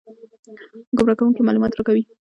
ګمراه کوونکي معلومات راکوي.